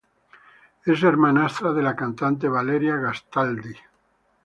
Es hermanastra de la cantante Valeria Gastaldi.